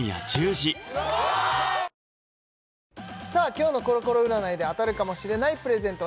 今日のコロコロ占いで当たるかもしれないプレゼント